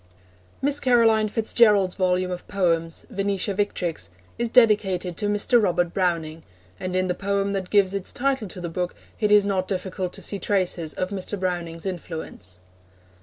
Miss Caroline Fitz Gerald's volume of poems, Venetia Victrix, is dedicated to Mr. Robert Browning, and in the poem that gives its title to the book it is not difficult to see traces of Mr. Browning's influence.